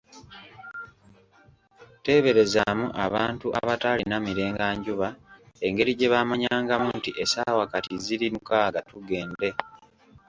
Teeberezaamu abantu abataalina mirenganjuba engeri gye baamanyangamu nti, essaawa kati ziri mukaaga tugende!